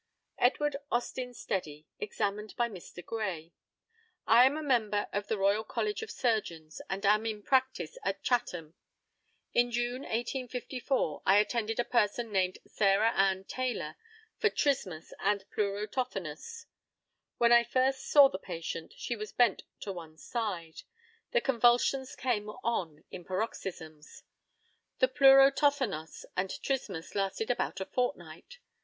EDWARD AUSTIN STEDDY, examined by Mr. GRAY: I am a member of the Royal College of Surgeons, and am in practice at Chatham. In June, 1854, I attended a person named Sarah Ann Taylor, for trismus and pleuro tothonos. When I first saw the patient she was bent to one side. The convulsions came on in paroxysms. The pleuro tothonos and trismus lasted about a fortnight.